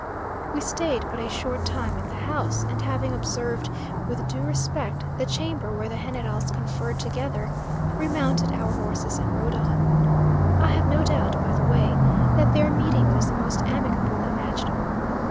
We staid but a short time in the house, and having observed with due respect the chamber where the generals conferred together, remounted our horses and rode on. I have no doubt, by the way, that their meeting was the most amicable imaginable.